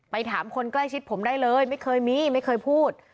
ถามคนใกล้ชิดผมได้เลยไม่เคยมีไม่เคยพูด